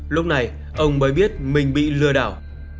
lúc này ông mới biết mình bị lừa đảo